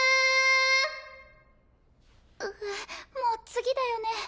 ううもう次だよね。